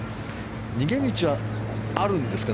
逃げ道はあるんですか？